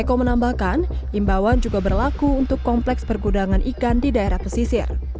eko menambahkan imbauan juga berlaku untuk kompleks pergudangan ikan di daerah pesisir